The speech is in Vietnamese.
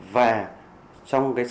và công nghệ thông tin